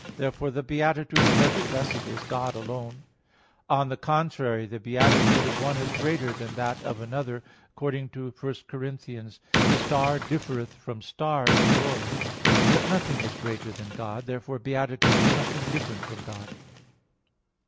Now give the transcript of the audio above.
Therefore the beatitude of every blessed is God alone. On the contrary, The beatitude of one is greater than that of another, according to 1 Cor. 15:41: "Star differeth from star in glory." But nothing is greater than God. Therefore beatitude is something different from God.